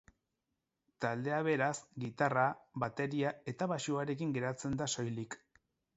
Taldea beraz, gitarra, bateria eta baxuarekin geratzen da soilik.